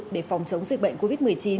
để phòng chống dịch bệnh covid một mươi chín